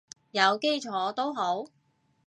有基礎都好